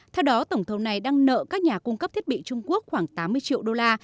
theo đó tổng thầu này đang nợ các nhà cung cấp thiết bị trung quốc khoảng tám mươi triệu đô la